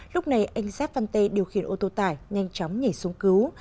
lúc này anh giáp văn tê điều khiển ô tô tải nhanh chóng nhảy xuống cứu